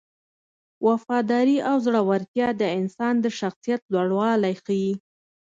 وفاداري او زړورتیا د انسان د شخصیت لوړوالی ښيي.